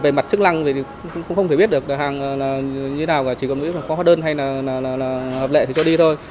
về mặt chức năng thì cũng không thể biết được hàng là như thế nào và chỉ cần biết là có hóa đơn hay là hợp lệ thì cho đi thôi